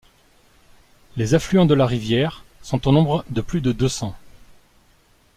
Les affluents de la rivière sont au nombre de plus de deux cents.